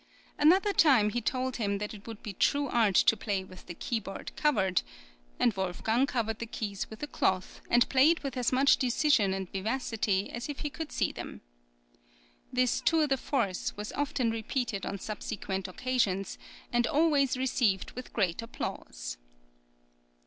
Another time he told him that it would be true art to play with the keyboard covered; and Wolfgang covered the keys with a cloth, and played with as much decision and vivacity as if he could see them. This tour de force was often repeated on subsequent occasions, and always received with great applause.